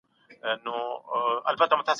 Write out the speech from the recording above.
موږ تولید کوونکي یو.